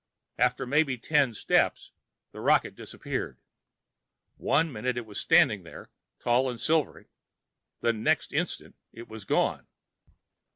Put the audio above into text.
After maybe ten steps, the rocket disappeared. One minute it was standing there, tall and silvery, the next instant it was gone.